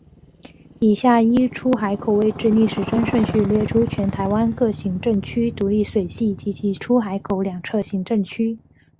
以下依出海口位置逆时针顺序列出全台湾各行政区独立水系及其出海口两侧行政区。